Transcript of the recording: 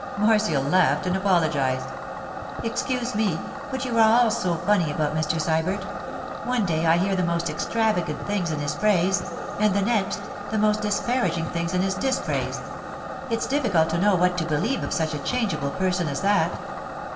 Marcia laughed and apologized— 'Excuse me, but you are all so funny about Mr. Sybert. One day I hear the most extravagant things in his praise, and the next, the most disparaging things in his dispraise. It's difficult to know what to believe of such a changeable person as that.